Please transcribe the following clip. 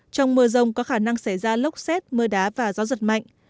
trong mưa rông có khả năng xảy ra lốc xét mưa đá và gió giật mạnh